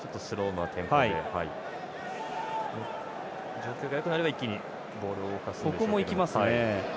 状況がよくなれば一気にボールを動かすんですけれど。